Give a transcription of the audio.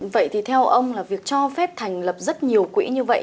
vậy thì theo ông là việc cho phép thành lập rất nhiều quỹ như vậy